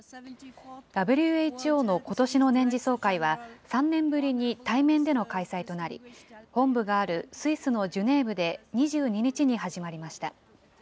ＷＨＯのことしの年次総会は、３年ぶりに対面での開催となり、本部があるスイスのジュネーブで２２日に始まりました。